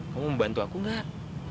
kamu mau bantu aku enggak